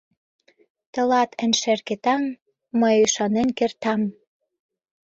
Тылат, эн шерге таҥ, Мый ӱшанен кертам.